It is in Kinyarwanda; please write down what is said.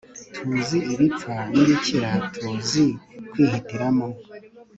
tuzi ibipfa n'ibikira, tuzi kwihitiramo